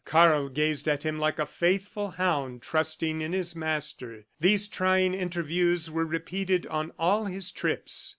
Karl gazed at him like a faithful hound trusting in his master. These trying interviews were repeated on all his trips.